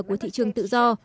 của thị trường tự do